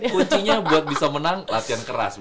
kuncinya buat bisa menang latihan keras